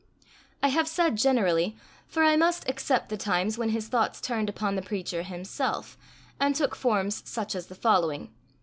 I have said generally, for I must except the times when his thoughts turned upon the preacher himself, and took forms such as the following.